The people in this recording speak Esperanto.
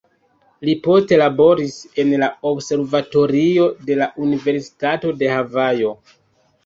Li poste laboris en la observatorio de la Universitato de Havajo.